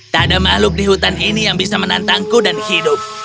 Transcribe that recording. tak ada makhluk di hutan ini yang bisa menantangku dan hidup